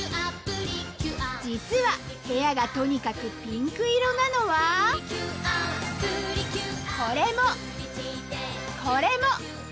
実は部屋がとにかくピンク色なのはこれもこれも！